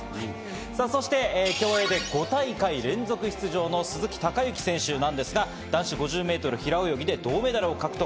さぁ、そして競泳で５大会連続出場の鈴木孝幸選手なんですが、男子５０ｍ平泳ぎで銅メダルを獲得。